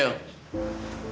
oh sign rekan masuk